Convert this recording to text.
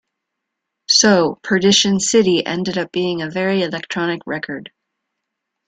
So "Perdition City" ended up being a very electronic record.